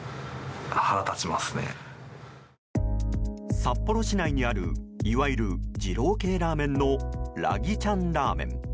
札幌市内にあるいわゆる二郎系ラーメンのラギちゃんラーメン。